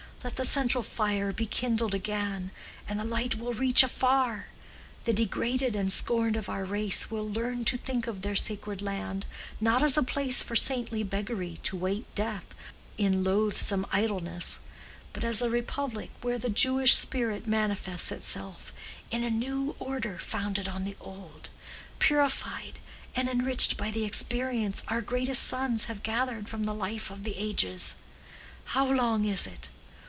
Let the central fire be kindled again, and the light will reach afar. The degraded and scorned of our race will learn to think of their sacred land, not as a place for saintly beggary to await death in loathsome idleness, but as a republic where the Jewish spirit manifests itself in a new order founded on the old, purified and enriched by the experience our greatest sons have gathered from the life of the ages. How long is it?